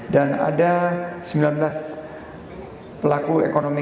dan ada sembilan belas pelaku ekonomi